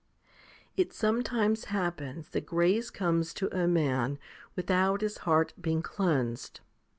25. It sometimes happens that grace comes to a man without his heart being cleansed.